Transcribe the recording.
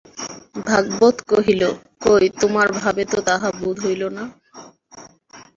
ভাগবত কহিল, কই তোমার ভাবে তো তাহা বোধ হইল না!